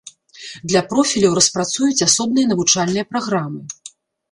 Для профіляў распрацуюць асобныя навучальныя праграмы.